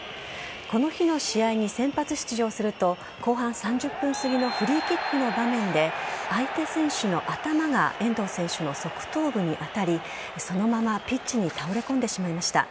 この日の試合に先発出場すると後半３０分すぎのフリーキックの場面で相手選手の頭が遠藤選手の側頭部に当たりそのままピッチに倒れこんでしまいました。